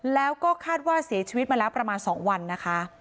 แล้วก็คาดว่าเสียชีวิตมาแล้วประมาณ๒วันนะคะ